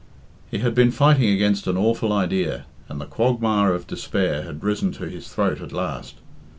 He had been fighting against an awful idea, and the quagmire of despair had risen to his throat at last.